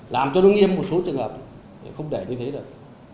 làm cho nó nghiêm một số trường hợp không để như thế được